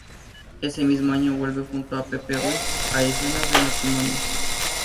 Ese mismo año vuelve junto a Pepe Ruiz a "Escenas de matrimonio".